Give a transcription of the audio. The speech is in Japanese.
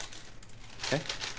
えっ？